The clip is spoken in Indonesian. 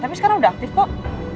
tapi sekarang udah aktif kok